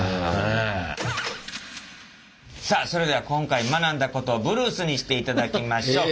さあそれでは今回学んだことをブルースにしていただきましょう！